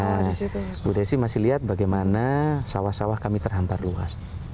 bu desi masih lihat bagaimana sawah sawah kami terhampar luas